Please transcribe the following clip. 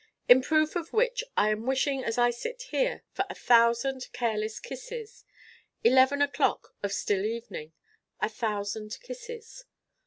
In proof of which I am wishing as I sit here for a Thousand careless kisses: eleven o'clock of still evening a Thousand Kisses.